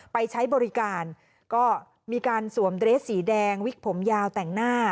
ไปใช้บริการก็มีการสวมเดรสสีแดงวิกผมยาวแต่งหน้า